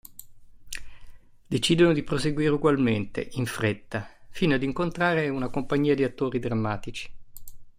Decidono di proseguire ugualmente, in fretta, fino ad incontrare una compagnia di attori drammatici.